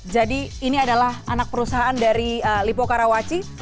jadi ini adalah anak perusahaan dari lipo karawaci